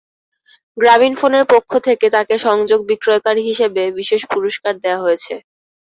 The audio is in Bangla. গ্রামীণফোনের পক্ষ থেকে তাঁকে সংযোগ বিক্রয়কারী হিসেবে বিশেষ পুরস্কার দেওয়া হয়েছে।